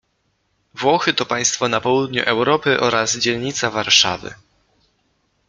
Włochy to państwo na południu Europy oraz dzielnica Warszawy.